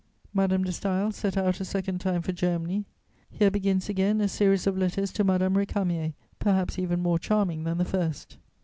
Madame de Staël set out a second time for Germany. Here begins again a series of letters to Madame Récamier, perhaps even more charming than the first.